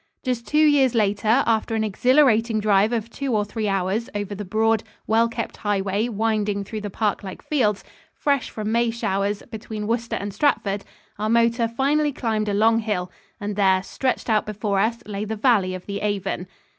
Just two years later, after an exhilarating drive of two or three hours over the broad, well kept highway winding through the parklike fields, fresh from May showers, between Worcester and Stratford, our motor finally climbed a long hill, and there, stretched out before us, lay the valley of the Avon.